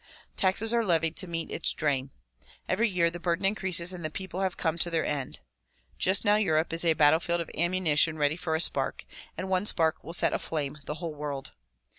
Taxes are levied to meet its drain. Every year the burden increases and the people have come to their end. Just now Europe is a battlefield of ammunition ready for a spark ; and one spark will set aflame the whole world.